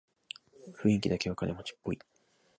雰囲気だけは金持ちっぽい